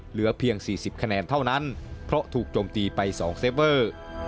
เหลือเพียง๔๐คะแนนเท่านั้นเพราะถูกโจมตีไป๒เซฟเวอร์